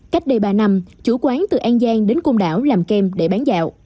cách đây ba năm chủ quán từ an giang đến côn đảo làm kem để bán dạo